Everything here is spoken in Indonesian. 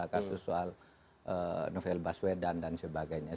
kasus soal novel baswedan dan sebagainya